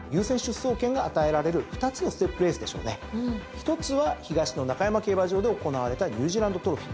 １つは東の中山競馬場で行われたニュージーランドトロフィー。